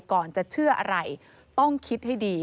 ก่อนจะเชื่ออะไรต้องคิดให้ดี